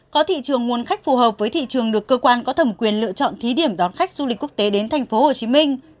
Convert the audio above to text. có thị trường nguồn khách phù hợp với thị trường được cơ quan có thẩm quyền lựa chọn thí điểm đón khách du lịch quốc tế đến tp hcm